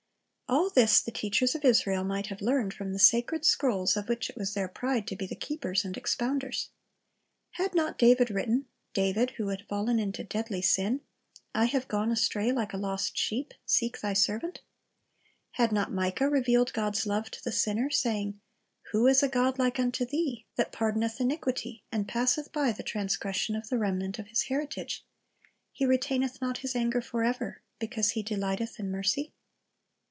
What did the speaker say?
All this the teachers of Israel might have learned from the sacred scrolls of which it was their pride to be the keepers and expounders. Had not David written, — David, who had fallen into deadly sin, — 'T have gone astray like a lost sheep; seek Thy servant"?^ Had not Micah revealed God's love to the sinner, saying, "Who is a God like unto Thee, that pardoneth iniquity, and passeth by the transgression of the remnant of His heritage? He retaineth not His anger forever, because He delighteth in mercy"